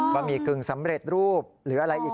หมี่กึ่งสำเร็จรูปหรืออะไรอีก